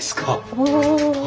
お！